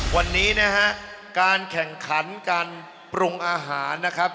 วันนี้นะฮะการแข่งขันการปรุงอาหารนะครับ